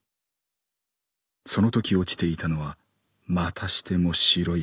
そのとき落ちていたのはまたしても白い紙だった。